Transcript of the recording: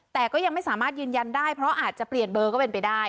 แต่ก็ยังไม่สามารถยืนยันได้เพราะอาจจะเปลี่ยนเบอร์ก็เป็นไปได้